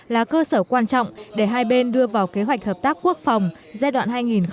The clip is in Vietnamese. là cơ sở quan trọng để hai bên đưa vào kế hoạch hợp tác quốc phòng giai đoạn hai nghìn hai mươi một hai nghìn hai mươi